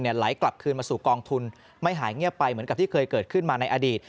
ไหลกลับคืนมาสู่กองทุนไม่หายเงียบไปเหมือนกับที่เคยเกิดขึ้นมาในอดีต